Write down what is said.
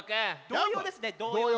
童謡ですね童謡ね。